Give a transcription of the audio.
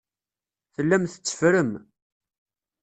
Tellam tetteffrem.